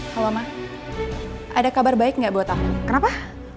halo ma ada kabar baik gak buat aku kenapa